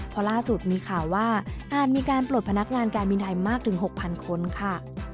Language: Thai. เพราะล่าสุดมีข่าวว่าอาจมีการปลดพนักงานการบินไทยมากถึง๖๐๐คนค่ะ